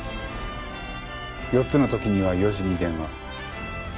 ４つの時には４時に電話。